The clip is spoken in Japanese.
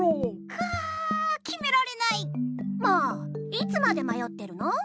いつまでまよってるの？